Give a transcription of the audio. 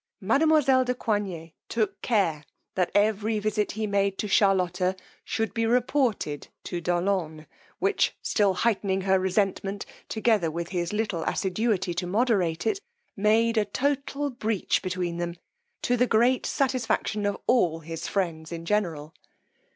Mademoiselle de Coigney took care that every visit he made to Charlotta should be reported to de Olonne, which still heightening her resentment, together with his little assiduity to moderate it, made a total breach between them, to the great satisfaction of all his friends in general.